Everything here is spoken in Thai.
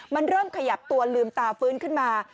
มันเริ่มขยับตัวลืมตาฟื้นขึ้นมา